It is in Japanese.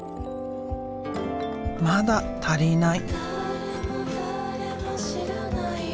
まだ足りない。